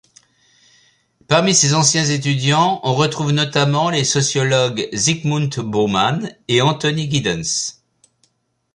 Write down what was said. Parmi ses anciens étudiants, on retrouve notamment les sociologues Zygmunt Bauman et Anthony Giddens.